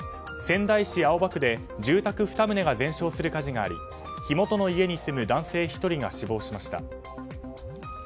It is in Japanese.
仙台市青葉区で住宅２棟が全焼する火事があり火元の家に住む男性１人が死亡しました。